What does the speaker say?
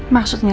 masuk ke rumah